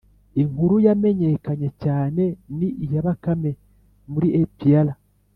inkuru yamenyakanye cyane ni iya bakame muri apr